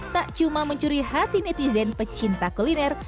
tak cuma mencuri hati netizen pecinta kuliner